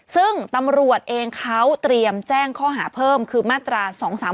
ซึ่งตำรวจเองเขาเตรียมแจ้งข้อหาเพิ่มคือมาตรา๒๓๓